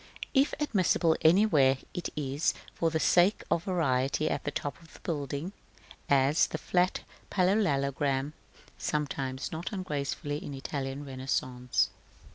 If admissible anywhere, it is for the sake of variety at the top of the building, as the flat parallelogram sometimes not ungracefully in Italian Renaissance.